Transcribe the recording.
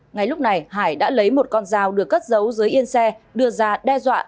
ngay lúc này hải đã lấy một con dao được cất giấu dưới yên xe đưa ra đe dọa